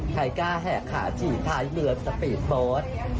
ใครกล้าแหกขาฉี่ท้ายเรือสปีดโบสต์